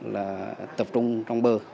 tập trung trong bờ